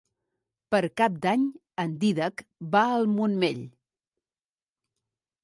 Per Cap d'Any en Dídac va al Montmell.